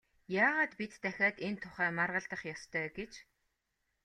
Яагаад бид дахиад энэ тухай маргалдах ёстой гэж?